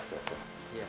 terima kasih pak